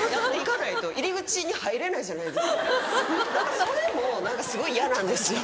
それも何かすごい嫌なんですよ。